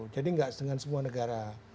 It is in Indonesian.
jadi nggak dengan semua negara